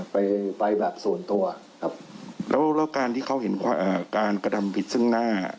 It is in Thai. ไปไปแบบส่วนตัวครับแล้วแล้วการที่เขาเห็นการกระทำผิดซึ่งหน้า